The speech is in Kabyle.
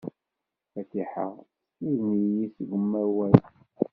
Fatiḥa tessuden-iyi seg umayeg.